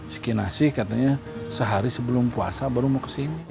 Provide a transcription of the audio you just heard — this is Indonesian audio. sikinasi katanya sehari sebelum puasa baru mau kesini